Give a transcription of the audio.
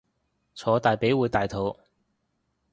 坐大髀會大肚